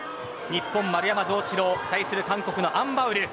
日本、丸山城志郎対する韓国のアン・バウル。